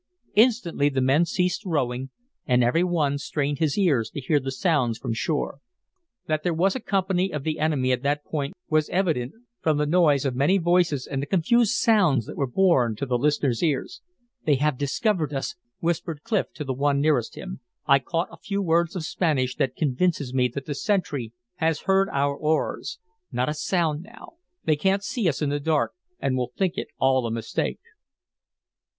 Instantly the men ceased rowing, and every one strained his ears to hear the sounds from shore. That there was a company of the enemy at that point was evident, from the noise of many voices and the confused sounds that were borne to the listeners' ears. "They have discovered us," whispered Clif to the one nearest him. "I caught a few words of Spanish that convinces me that the sentry has heard our oars. Not a sound now! They can't see us in the dark, and will think it all a mistake."